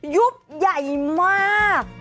ยุบใหญ่มาก